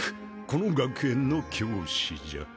この学園の教師じゃ。